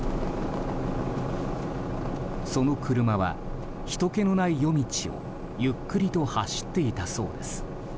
その車は、ひとけのない夜道をゆっくりと走っていたそうです。